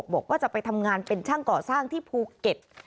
บอกว่าจะไปทำงานเป็นช่างก่อสร้างที่ภูเก็ต